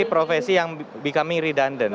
profesi yang becoming redundant